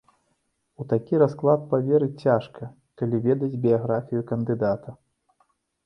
У такі расклад паверыць цяжка, калі ведаць біяграфію кандыдата.